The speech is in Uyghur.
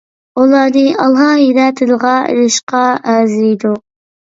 ئۇلارنى ئالاھىدە تىلغا ئېلىشقا ئەرزىيدۇ.